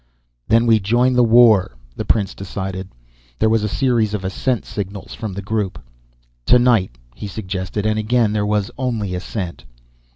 "Then we join the war," the prince decided. There was a series of assent signals from the group. "Tonight," he suggested, and again there was only assent.